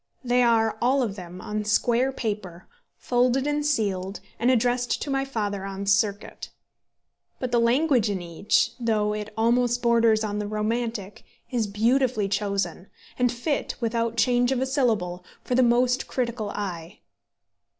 They are, all of them, on square paper, folded and sealed, and addressed to my father on circuit; but the language in each, though it almost borders on the romantic, is beautifully chosen, and fit, without change of a syllable, for the most critical eye.